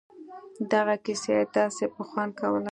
دغه کيسه يې داسې په خوند کوله.